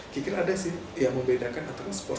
kikir ada sih yang membedakan atau sport massage